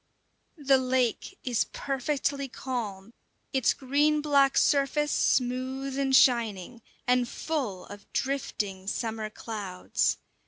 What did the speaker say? The lake is perfectly calm, its green black surface smooth and shining, and full of drifting summer clouds.